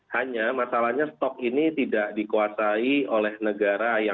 hanya masalahnya stok ini tidak dikuasai oleh negara